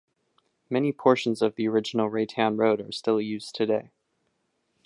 Many portions of the original Raytown Road still are used today.